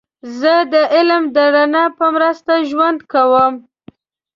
زه د علم د رڼا په مرسته ژوند کوم.